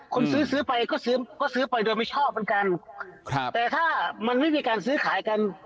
คนซื้อซื้อไปก็ซื้อก็ซื้อไปโดยไม่ชอบเหมือนกันครับแต่ถ้ามันไม่มีการซื้อขายกัน